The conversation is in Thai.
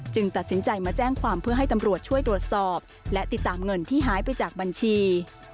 ตัดสินใจมาแจ้งความเพื่อให้ตำรวจช่วยตรวจสอบและติดตามเงินที่หายไปจากบัญชี